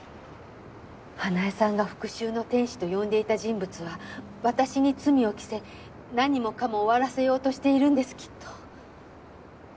花絵さんが復讐の天使と呼んでいた人物は私に罪を着せ何もかも終わらせようとしているんですきっと。